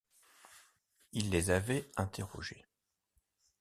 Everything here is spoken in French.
Il les avait interrogés.